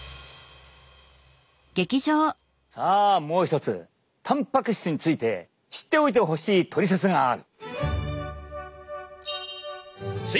さあもう一つたんぱく質について知っておいてほしいトリセツがある。